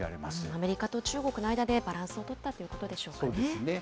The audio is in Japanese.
アメリカと中国の間で、バランスを取ったということでしょうそうですね。